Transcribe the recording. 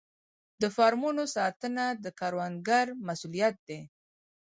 د فارمونو ساتنه د کروندګر مسوولیت دی.